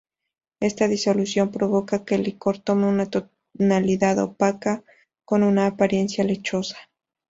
Esta disolución provoca que el licor tome una tonalidad opaca, con una apariencia lechosa.